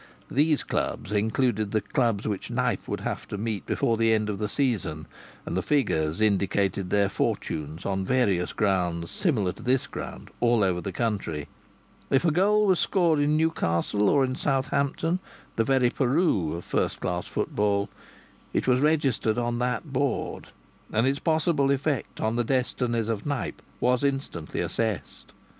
These clubs included the clubs which Knype would have to meet before the end of the season, and the figures indicated their fortunes on various grounds similar to this ground all over the country. If a goal was scored in Newcastle, or in Southampton, the very Peru of first class football, it was registered on that board and its possible effect on the destinies of Knype was instantly assessed.